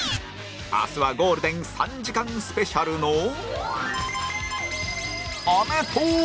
明日はゴールデン３時間スペシャルの